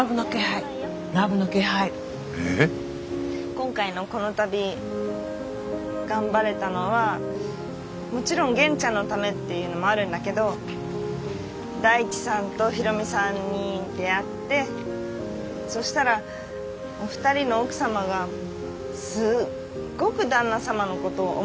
今回のこの旅頑張れたのはもちろん元ちゃんのためっていうのもあるんだけど大地さんと大海さんに出会ってそしたらお二人の奥様がすっごく旦那様のこと思ってて。